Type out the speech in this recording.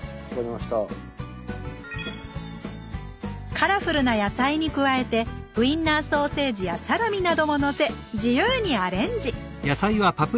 カラフルな野菜に加えてウインナーソーセージやサラミなどものせ自由にアレンジ！